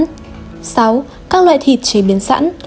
sáu các loại thịt chế biến sẵn